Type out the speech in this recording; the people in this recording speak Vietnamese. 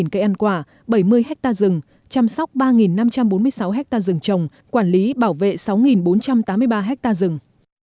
hai trăm linh cây ăn quả bảy mươi ha rừng chăm sóc ba năm trăm bốn mươi sáu ha rừng trồng quản lý bảo vệ sáu bốn trăm tám mươi ba ha rừng